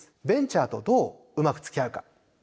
ベンチャーとどううまくつきあうか。